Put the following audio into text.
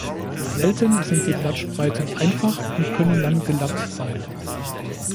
Selten sind die Blattspreiten einfach und können dann gelappt sein.